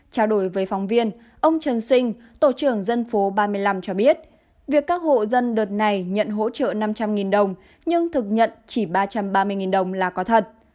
trao đổi với phóng viên ông trần sinh tổ trưởng dân số ba mươi năm cho biết việc các hộ dân đợt này nhận hỗ trợ năm trăm linh đồng nhưng thực nhận chỉ ba trăm ba mươi đồng là có thật